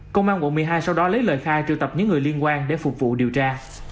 công an quận một mươi hai sau đó lấy lời khai trừ tập những người liên quan để phục vụ điều tra